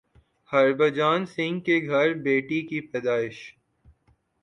ہربھجن سنگھ کے گھر بیٹی کی پیدائش